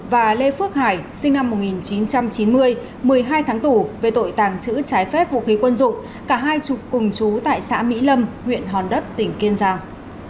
và lê phước hải sinh năm một nghìn chín trăm chín mươi một mươi hai tháng tù về tội tàng trữ trái phép vũ khí quân dụng cả hai chục cùng chú tại xã mỹ lâm huyện hòn đất tỉnh kiên giang